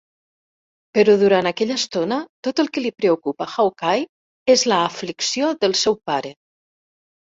Però durant aquella estona, tot el que li preocupa a Hawkeye és l'aflicció del seu pare.